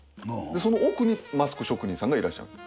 その奥にマスク職人さんがいらっしゃる。